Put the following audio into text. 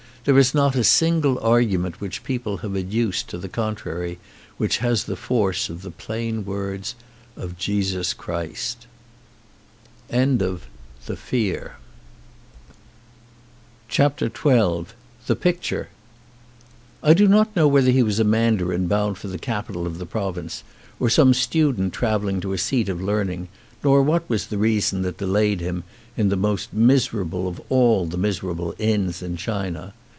There is not a single argu ment which people have adduced to the contrary which has the force of the plain words of Jesus Christ." 54 XII THE PICTURE 1D0 not know whether he was a mandarin bound for the capital of the province, or some student travelling to a seat of learn ing, nor what the reason that delayed him in the most miserable of all the miserable inns in China.